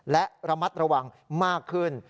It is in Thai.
และระมัดระวังมากขึ้น